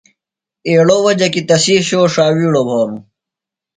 ایڑوۡ وجہ کی تسی شو ݜاوِیڑوۡ بھانُوۡ۔